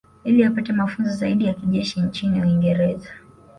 Ili apate mafunzo zaidi ya kijeshi nchini Uingereza